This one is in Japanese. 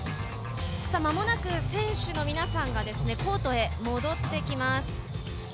まもなく選手の皆さんがコートへ戻ってきます。